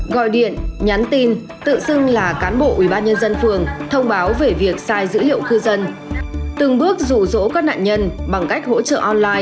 cảnh giác với thông báo sai dữ liệu dân cư